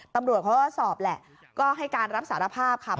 ตำรวจเขาก็สอบแหละก็ให้การรับสารภาพค่ะ